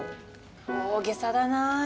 大げさだなあ。